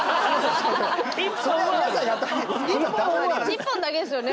１本だけですよね？